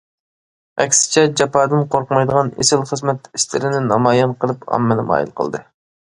ئەكسىچە جاپادىن قورقمايدىغان ئېسىل خىزمەت ئىستىلىنى نامايان قىلىپ، ئاممىنى مايىل قىلدى.